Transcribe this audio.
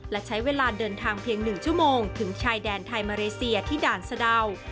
และใช้เวลาเดินทางเพียง๑ชั่วโมงถึงชายแดนไทยมาเลเซียที่ด่านสะดาว